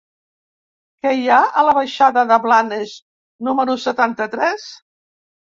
Què hi ha a la baixada de Blanes número setanta-tres?